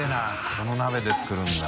この鍋で作るんだ。